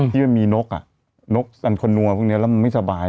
ที่มีนกอ่ะนกสังคนนัวพวกเนี้ยแล้วมันไม่สบาย